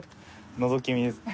のぞき見ですか？